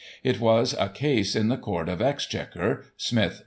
It was a case in the Court of Exchequer — Smith V.